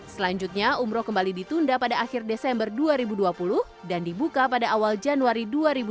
selanjutnya umroh kembali ditunda pada akhir desember dua ribu dua puluh dan dibuka pada awal januari dua ribu dua puluh